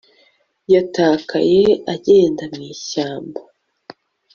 yatakaye agenda mu ishyamba